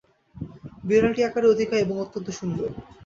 বিড়ালটি আকারে অতিকায় এবং অত্যন্ত সুন্দর।